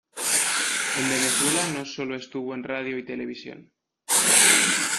En Venezuela no sólo estuvo en radio y televisión.